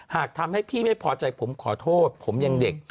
หากทำให้พี่ไม่พอใจผมขอโทษผมยังเด็ก